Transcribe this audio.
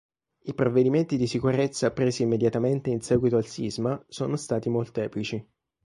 I provvedimenti di sicurezza presi immediatamente in seguito al sisma sono stati molteplici.